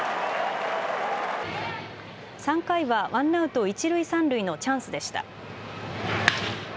３回はワンアウト一塁三塁のチャンスでした。